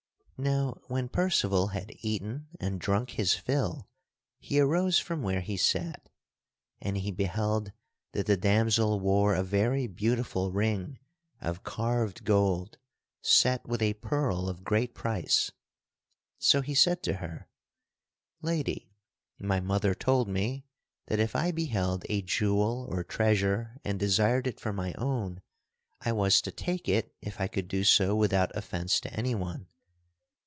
Now when Percival had eaten and drunk his fill, he arose from where he sat. And he beheld that the damsel wore a very beautiful ring of carved gold set with a pearl of great price. So he said to her: "Lady, my mother told me that if I beheld a jewel or treasure and desired it for my own, I was to take it if I could do so without offence to anyone.